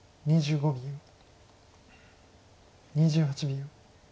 ２８秒。